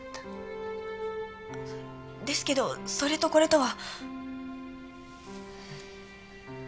ですけどそれとこれとは。